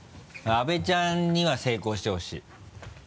阿部ちゃんには成功してほしい。